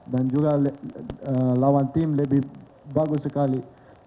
dan juga lawan tim lebih bagus sekali